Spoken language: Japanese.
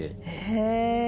へえ。